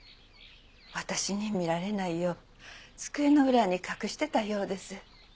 私に見られないよう机の裏に隠してたようです。